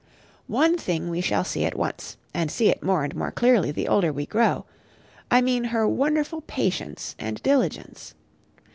One thing we shall see at once, and see it more and more clearly the older we grow; I mean her wonderful patience and diligence.